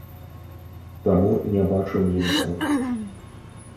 Таму не бачу мінусаў.